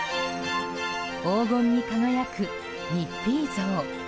黄金に輝くミッフィー像。